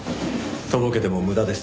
とぼけても無駄です。